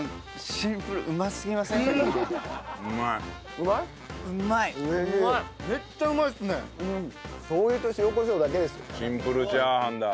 シンプルチャーハンだ。